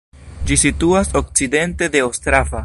Ĝi situas okcidente de Ostrava.